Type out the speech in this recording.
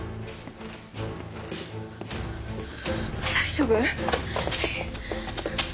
大丈夫？